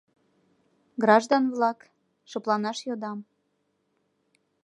— Граждан-влак, шыпланаш йодам.